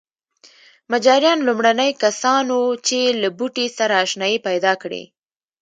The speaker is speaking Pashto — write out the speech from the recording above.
مجاریان لومړني کسان وو چې له بوټي سره اشنايي پیدا کړې.